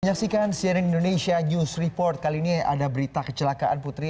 menyaksikan cnn indonesia news report kali ini ada berita kecelakaan putri